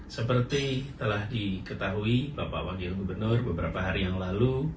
seperti telah diketahui bapak wakil gubernur beberapa hari yang lalu